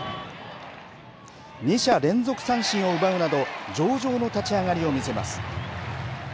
２者連続三振を奪うなど上々の立ち上がりを見せます。